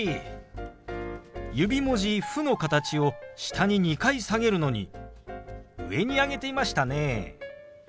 指文字「フ」の形を下に２回下げるのに上に上げていましたね。